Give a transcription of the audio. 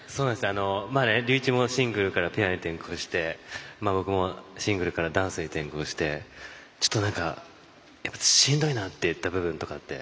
龍一もシングルからペアに転向して僕もシングルからダンスに転向してちょっとしんどいなっていった部分とかって？